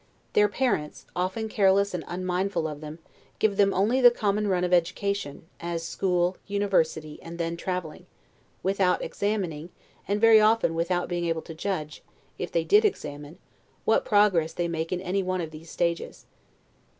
Their parents, often careless and unmindful of them, give them only the common run of education, as school, university, and then traveling; without examining, and very often without being able to judge, if they did examine, what progress they make in any one of these stages.